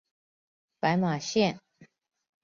白马线